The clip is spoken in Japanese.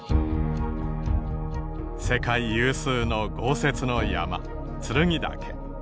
世界有数の豪雪の山剱岳。